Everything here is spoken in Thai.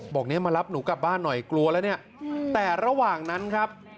บอกเนี่ยมารับหนูกลับบ้านหน่อยกลัวแล้วเนี่ยแต่ระหว่างนั้นครับ